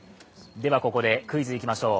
ここでクイズ、いきましょう。